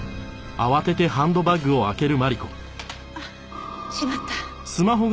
あっしまった！